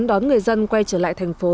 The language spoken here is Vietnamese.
đón người dân quay trở lại thành phố